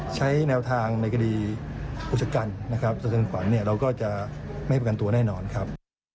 ใช้แนวทางในคดีอุชกันนะครับสะเทือนขวัญเนี่ยเราก็จะไม่ประกันตัวแน่นอนครับ